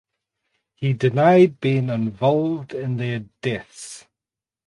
He denied being involved in their deaths.